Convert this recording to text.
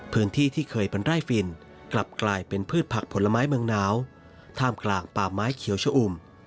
ที่เคยเป็นไร่ฟินกลับกลายเป็นพืชผักผลไม้เมืองหนาวท่ามกลางป่าไม้เขียวชะอุ่ม